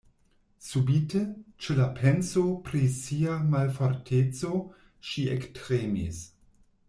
Subite, ĉe la penso pri sia malforteco, ŝi ektremis.